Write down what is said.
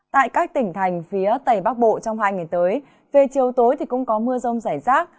tại các tỉnh thành phía tây bắc bộ trong hai ngày tới về chiều tối thì cũng có mưa rông rải rác